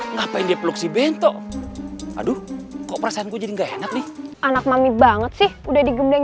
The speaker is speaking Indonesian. ngapain dia peluk si bento aduh kok perasaanku jadi enggak enak nih anak mami banget sih udah digemdeng